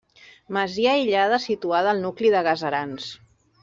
Masia aïllada situada al nucli de Gaserans.